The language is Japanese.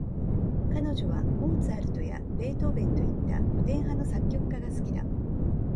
彼女はモーツァルトやベートーヴェンといった、古典派の作曲家が好きだ。